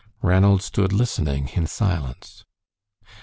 Ranald stood listening in silence.